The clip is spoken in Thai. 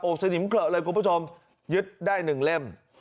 โอ๊ะสนิมเผลอเลยครับคุณผู้ชมยึดได้๑เล่ม